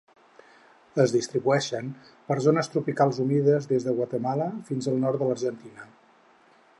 Es distribueixen per zones tropicals humides des de Guatemala fins al nord de l'Argentina.